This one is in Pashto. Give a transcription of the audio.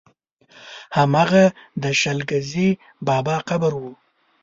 هماغه د شل ګزي بابا قبر و.